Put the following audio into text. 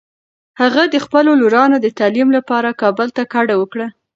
هغه د خپلو لورانو د تعلیم لپاره کابل ته کډه وکړه.